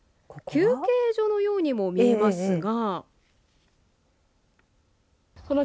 休憩所のようにも見えますが。